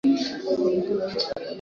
Nimepata chanjo